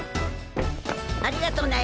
ありがとね。